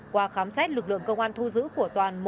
qua khám xét lực lượng công an thu giữ của toàn